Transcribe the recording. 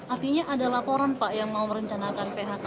artinya ada laporan pak yang mau merencanakan phk